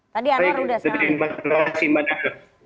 tadi anak udah